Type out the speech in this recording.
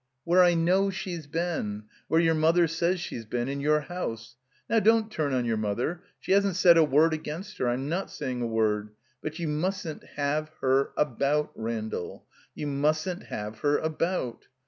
"Where I know she's been — ^where your mother says she's been — ^in your house. Now, don't turn on your mother; she hasn't said a word against her. I'm not saying a word. But you mustn't — ^have — her — about, Randall. You mustn't have her about.